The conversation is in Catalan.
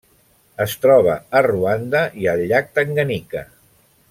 Es troba a Ruanda i al llac Tanganyika.